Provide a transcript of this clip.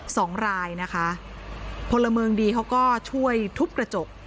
สองรายนะคะพลเมืองดีเขาก็ช่วยทุบกระจก